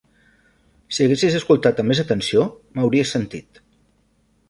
Si haguessis escoltat amb més atenció, m'hauries sentit.